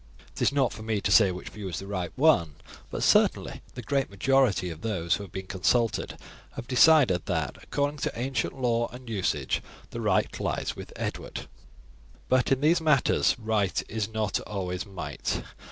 It is not for me to say which view is the right one, but certainly the great majority of those who have been consulted have decided that, according to ancient law and usage, the right lies with Edward. But in these matters 'right is not always might.'